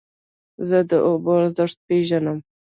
زه د اوبو ارزښت پېژنم.